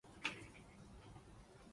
炫家军来也！